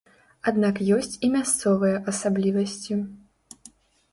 Аднак ёсць і мясцовыя асаблівасці.